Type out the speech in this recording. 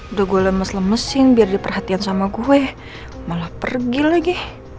udah gue lemes lemesin biar diperhatikan sama gue malah pergi lagi